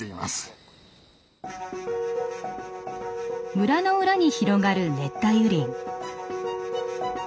村の裏に広がる熱帯雨林。